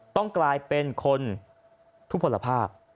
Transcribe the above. ต้องกลายเป็นคนทุกผลภาพ